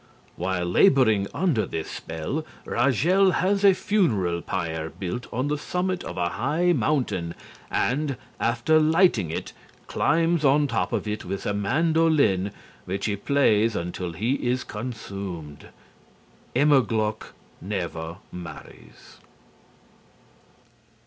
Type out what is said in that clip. While laboring under this spell, Ragel has a funeral pyre built on the summit of a high mountain and, after lighting it, climbs on top of it with a mandolin which he plays until he is consumed. Immerglück never marries.